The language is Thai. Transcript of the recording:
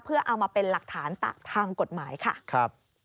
เพื่อเอามาเป็นหลักฐานทางกฎหมายค่ะครับ